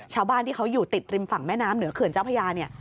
ชาวบ้านที่เขาอยู่ติดริมฝั่งแม่น้ำเหนือเขื่อนเจ้าพญาเนี่ย